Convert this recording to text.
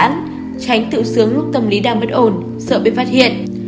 cẩn thận tránh tự sướng lúc tâm lý đang bất ổn sợ bị phát hiện